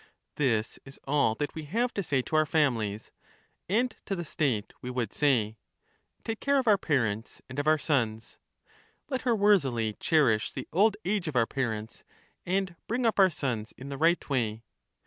1 This is all that we have to say to our families : and to the state we would say — Take care of our parents and of our sons : let her worthily cherish the old age of our parents, and bring up our sons in the right way.